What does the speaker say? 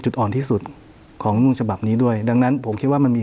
อ่อนที่สุดของมูลฉบับนี้ด้วยดังนั้นผมคิดว่ามันมี